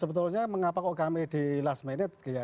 sebetulnya mengapa kok kami di last minute